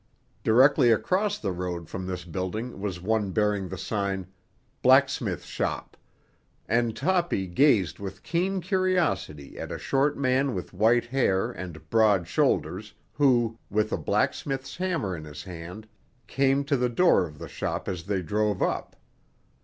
Directly across the road from this building was one bearing the sign, "Blacksmith Shop," and Toppy gazed with keen curiosity at a short man with white hair and broad shoulders who, with a blacksmith's hammer in his hand, came to the door of the shop as they drove up.